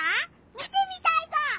見てみたいぞ！